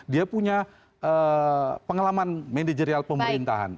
dia punya pengalaman manajerial pemerintahan